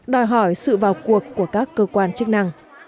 đòi hỏi sự vào cuộc của các cơ quan chức năng